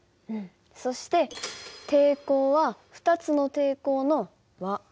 そして抵抗は２つの抵抗の和。